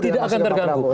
tidak akan terganggu